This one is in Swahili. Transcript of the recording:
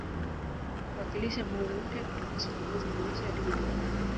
Kuwakilisha mwanzo mpya kutoka sura moja ya maisha hadi nyingine